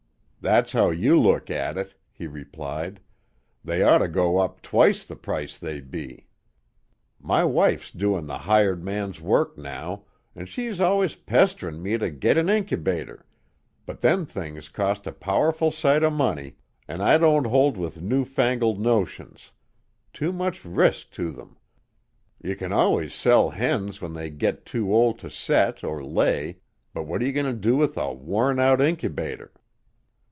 "That's how you look at it," he replied. "They oughter go up twice the price they be. My wife's doin' the hired man's work now, an' she's allus pesterin' me to git an incubator, but them things cost a powerful sight of money, an' I don't hold with new fangled notions; too much resk to them. You can allus sell hens when they git too old to set or lay, but what're you going to do with a wore out incubator?"